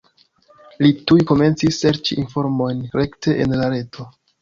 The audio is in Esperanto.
Li tuj komencis serĉi informojn rekte en la reto.